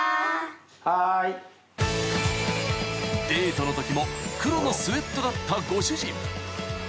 ［デートのときも黒のスエットだったご主人］